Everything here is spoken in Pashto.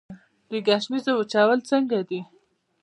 د ګشنیزو وچول څنګه دي؟